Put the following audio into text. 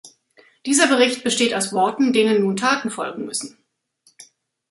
Dieser Bericht besteht aus Worten, denen nun Taten folgen müssen.